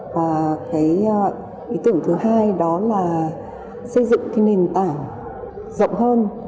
và cái ý tưởng thứ hai đó là xây dựng cái nền tảng rộng hơn